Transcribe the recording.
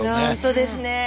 ほんとですね。